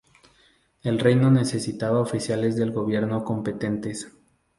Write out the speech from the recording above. El reino necesitaba oficiales del gobierno competentes.